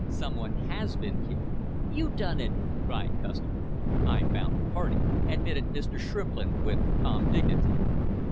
"Some one has been killed!" "You done it!" cried Custer. "I found the party," admitted Mr. Shrimplin with calm dignity.